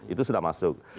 itu sudah masuk